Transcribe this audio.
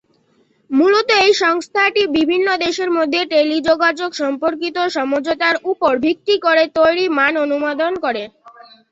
মূলত এই সংস্থাটি বিভিন্ন দেশের মধ্যে টেলিযোগাযোগ সম্পর্কিত সমঝোতার উপর ভিত্তি করে তৈরি মান অনুমোদন করে।